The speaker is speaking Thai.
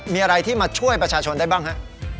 มีอะไรที่มาช่วยประชาชนได้บ้างฮะ